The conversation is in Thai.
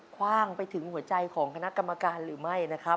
คว่างไปถึงหัวใจของคณะกรรมการหรือไม่นะครับ